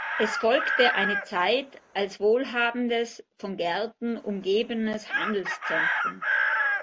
Es folgte eine Zeit als wohlhabendes, von Gärten umgebenes Handelszentrum.